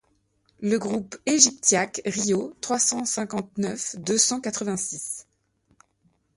La troupe ægyptiacque Riault trois cent cinquante-neuf deux cent quatre-vingt-six.